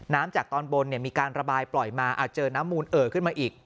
จากตอนบนมีการระบายปล่อยมาอาจเจอน้ำมูลเอ่อขึ้นมาอีก